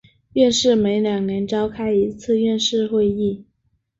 院士每两年召开一次院士会议。